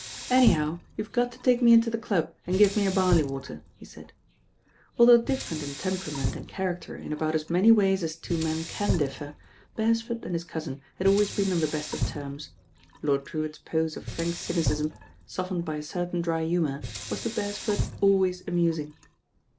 "Anyhow, you've got to take me into the club and give me a barley water," he said. Although different in temperament and character m about as many ways as two men can differ, Beres ford and his cousin had always been on the best of terms. Lord Drewitt's pose of frank cynicism, soft ened by a certain dry humour, was to Beresford always amusing.